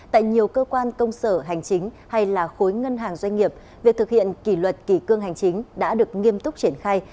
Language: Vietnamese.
tại nhiều cơ quan công sở hành chính hay là khối ngân hàng doanh nghiệp việc thực hiện kỷ luật kỷ cương hành chính đã được nghiêm túc triển khai